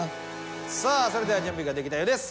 さあそれでは準備ができたようです。